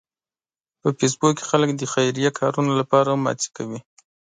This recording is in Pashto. په فېسبوک کې خلک د خیریه کارونو لپاره هم هڅې کوي